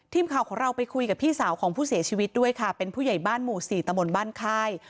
ทีมข่าวของเราไปคุยกับพี่สาวของผู้เสียชีวิตด้วยค่ะเป็นผู้ใหญ่บ้านหมู่สี่ตะมนต์บ้านค่าย